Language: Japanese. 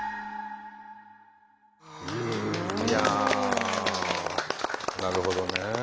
いやあなるほどね。